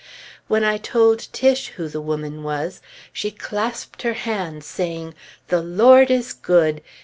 When I told Tiche who the woman was, she clasped her hands, saying, "The Lord is good!